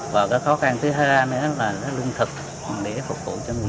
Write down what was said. và cái khó khăn thứ hai nữa là lương thực